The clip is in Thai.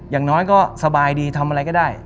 อย่างน้อยก็สบายดีทำอะไรก็ได้